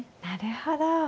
なるほど。